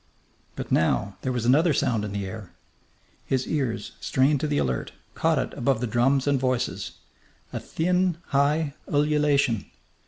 But now there was another sound in the air. His ears, strained to the alert, caught it above the drums and voices a thin, high ululation.